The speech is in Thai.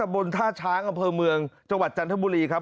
บนท่าช้างอำเภอเมืองจังหวัดจันทบุรีครับ